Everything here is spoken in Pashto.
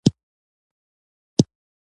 شربت د کور ودانوي